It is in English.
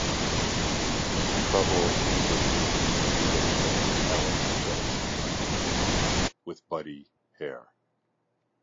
Trouble intervenes when a legal technicality threatens the contract with Buddy Hare.